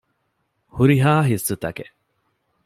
ހުރިހާ ހިއްސުތަކެއް